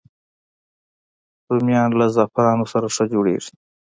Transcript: رومیان له زعفرانو سره ښه جوړېږي